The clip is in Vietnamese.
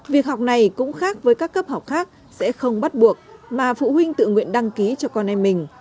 việc học này cũng khác với các cấp học khác sẽ không bắt buộc mà phụ huynh tự nguyện đăng ký cho con em mình